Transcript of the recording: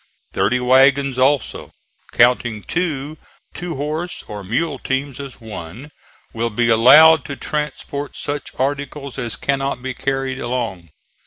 Thirty wagons also, counting two two horse or mule teams as one, will be allowed to transport such articles as cannot be carried along.